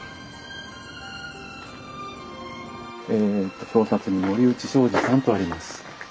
え表札に森内昭二さんとあります。